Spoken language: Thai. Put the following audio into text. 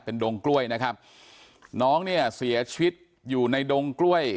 ดงกล้วยนะครับน้องเนี่ยเสียชีวิตอยู่ในดงกล้วย